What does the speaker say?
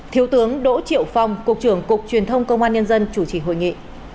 thiếu tướng đỗ triệu phong cục trưởng cục truyền thông công an nhân dân chủ trì hội nghị